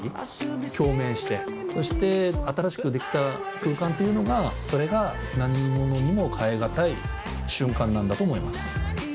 そして新しくできた空間というのがそれが何ものにも代え難い瞬間なんだと思います。